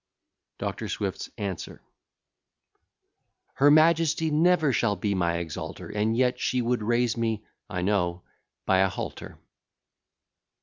DR. SWIFT'S ANSWER Her majesty never shall be my exalter; And yet she would raise me, I know, by a halter!